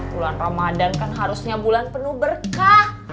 bulan ramadan kan harusnya bulan penuh berkah